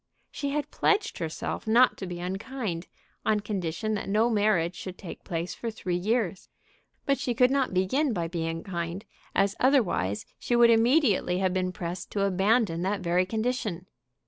She had pledged herself not to be unkind, on condition that no marriage should take place for three years. But she could not begin by being kind, as otherwise she would immediately have been pressed to abandon that very condition.